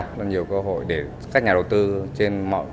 có nhiều cơ hội để các nhà đầu tư trên mọi